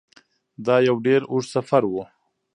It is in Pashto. دا یو ډیر اوږد سفر و.